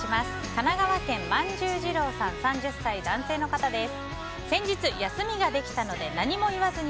神奈川県の３０歳、男性の方です。